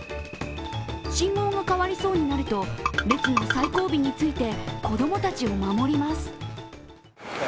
信号が変わりそうになると、列の最後尾について子供たちを守ります。